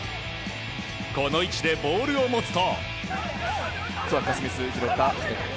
この位置でボールを持つと。